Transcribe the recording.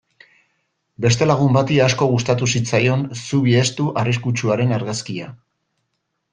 Beste lagun bati asko gustatu zitzaion zubi estu arriskutsuaren argazkia.